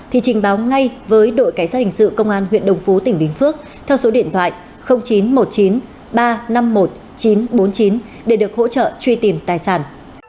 thì trình báo ngay với đội cảnh sát hình sự công an huyện đồng phú tỉnh bình phước theo số điện thoại chín trăm một mươi chín ba trăm năm mươi một chín trăm bốn mươi chín để được hỗ trợ truy tìm tài sản